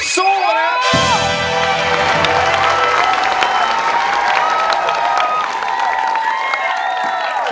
สู้ก่อนครับ